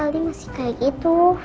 tapi aldi masih kayak gitu